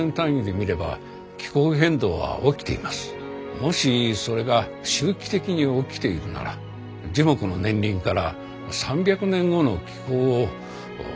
もしそれが周期的に起きているなら樹木の年輪から３００年後の気候を予測するのも夢ではありません。